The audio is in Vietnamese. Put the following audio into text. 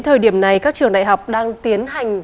thời điểm này các trường đại học đang tiến hành